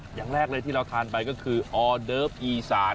อย่างแรกเลยที่เราทานไปก็คือออเดิฟอีสาน